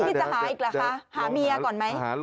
จะหาอีกเหรอคะหาเมียก่อนไหม